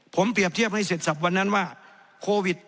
ผมเปรียบเทียบให้เสร็จสับวันนั้นว่าโควิด